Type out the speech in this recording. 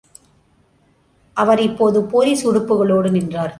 அவர் இப்போது போலீஸ் உடுப்புகளோடு நின்றார்.